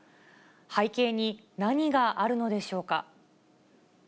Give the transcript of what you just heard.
背景に何があるのでしょうか。